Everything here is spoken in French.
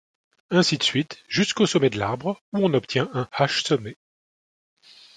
Ainsi de suite jusqu'au sommet de l'arbre où on obtient un hash-sommet.